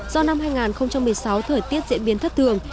do năm hai nghìn một mươi sáu thời tiết diễn biến thất thường